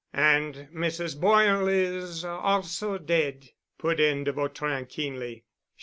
"And Mrs. Boyle is also dead?" put in de Vautrin keenly.